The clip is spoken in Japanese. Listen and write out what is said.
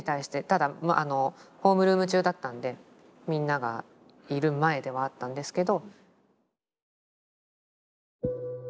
ただホームルーム中だったんでみんながいる前ではあったんですけど。